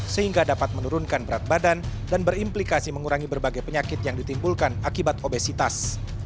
sehingga dapat menurunkan berat badan dan berimplikasi mengurangi berbagai penyakit yang ditimbulkan akibat obesitas